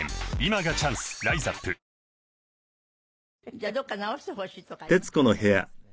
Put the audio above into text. じゃあどこか直してほしいとこあります？